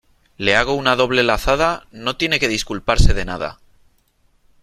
¿ le hago una doble lazada ? no tiene que disculparse de nada .